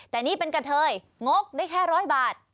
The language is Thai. แต่นี่เป็นกะเทยงกได้แค่๑๐๐บาท